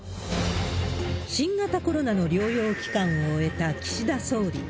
新型コロナの療養期間を終えた岸田総理。